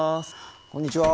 こんにちは。